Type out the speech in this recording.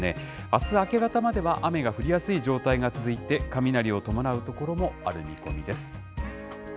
あす明け方までは雨が降りやすい状態が続いて、雷を伴う所もある見込みです。